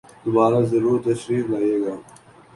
دوبارہ ضرور تشریف لائیئے گا